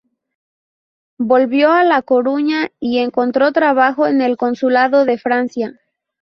Volvió a La Coruña y encontró trabajo en el consulado de Francia.